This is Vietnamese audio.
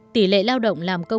tỷ lệ lao động làm công nguyên